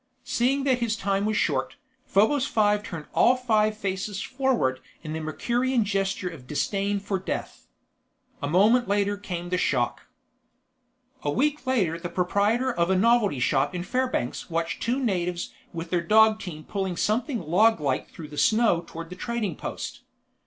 Seeing that his time was short, Probos Five turned all five faces forward in the Mercurian gesture of disdain for death. A moment later came the shock. A week later the proprietor of a novelty shop in Fairbanks watched two natives with their dog team pulling something loglike through the snow toward the trading post.